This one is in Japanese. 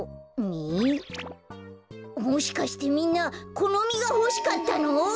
もしかしてみんなこのみがほしかったの？